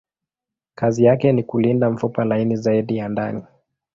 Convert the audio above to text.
Kazi yake ni kulinda mfupa laini zaidi ya ndani.